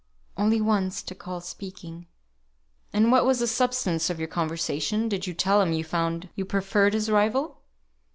"Only once to call speaking." "And what was the substance of your conversation? Did you tell him you found you preferred his rival?"